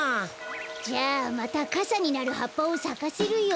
じゃあまたかさになるはっぱをさかせるよ。